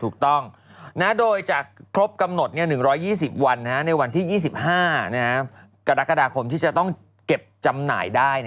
ถูกต้องโดยจากครบกำหนด๑๒๐วันในวันที่๒๕กรกฎาคมที่จะต้องเก็บจำหน่ายได้